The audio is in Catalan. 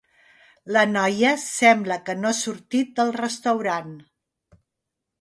La noia sembla que no ha sortit del restaurant.